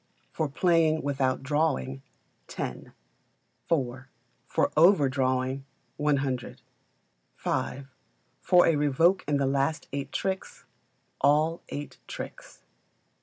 For playing without drawing, 10; iv. For overdrawing, 100; v. For a revoke in the last eight tricks, all the eight tricks.